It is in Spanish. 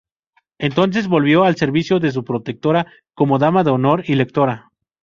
Entonces volvió al servicio de su protectora como dama de honor y lectora.